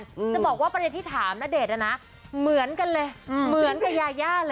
จะบอกว่าประเด็นที่ถามณเดชนอ่ะนะเหมือนกันเลยอืมเหมือนกับยาย่าเลย